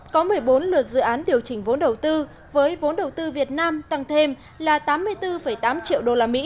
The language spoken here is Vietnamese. có một mươi bốn lượt dự án điều chỉnh vốn đầu tư với vốn đầu tư việt nam tăng thêm là tám mươi bốn tám triệu usd